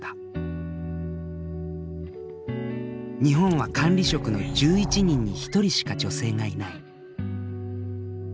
日本は管理職の１１人に１人しか女性がいない。